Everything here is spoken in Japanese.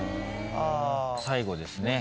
最後ですね。